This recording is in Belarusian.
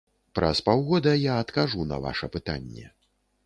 Праз паўгода я адкажу на ваша пытанне.